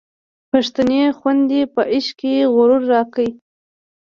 پښتنې خودۍ په عشق کي غرور راکړی